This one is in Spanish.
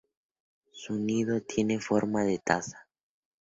Su nido tiene forma de taza.